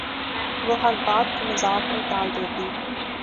وہ ہر بات کو مذاق میں ٹال دیتی